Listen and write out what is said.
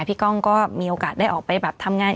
ก้องก็มีโอกาสได้ออกไปแบบทำงาน